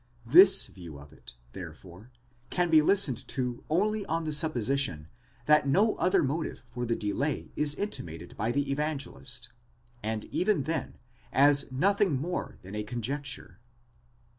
This view of it, therefore, can be listened to only on the supposition that no other motive for the delay is intimated by the Evange ' list, and even then as nothing more than a conjecture.